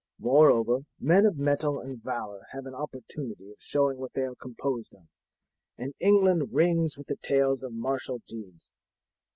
Moreover, men of mettle and valour have an opportunity of showing what they are composed of, and England rings with the tales of martial deeds.